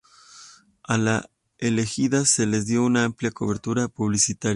A las elegidas se les dio una amplia cobertura publicitaria.